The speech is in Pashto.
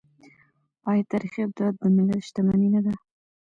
آیا تاریخي ابدات د ملت شتمني نه ده؟